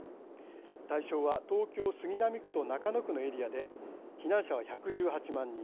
対象は東京・杉並区と中野区のエリアで避難者は１１８万人。